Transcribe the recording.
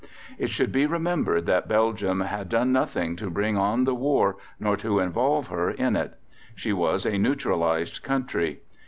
It should be remembered that Belgium had done nothing to bring on the war nor to involve her in it. She was a neutralized country.